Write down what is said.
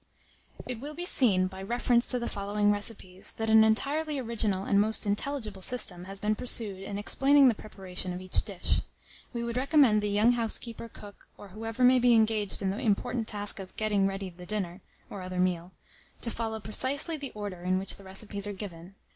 [_It will be seen, by reference to the following Recipes, that an entirely original and most intelligible system has been pursued in explaining the preparation of each dish. We would recommend the young housekeeper, cook, or whoever may be engaged in the important task of "getting ready" the dinner, or other meal, to follow precisely the order in which the recipes are given.